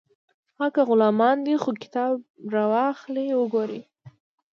هغه که غلامان دي خو کتاب راواخلئ وګورئ